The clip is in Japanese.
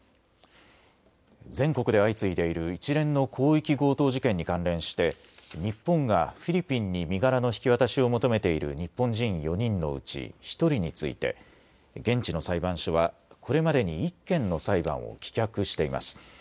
全国で相次いでいる一連の広域強盗事件に関連して日本がフィリピンに身柄の引き渡しを求めている日本人４人のうち１人について現地の裁判所はこれまでに１件の裁判を棄却しています。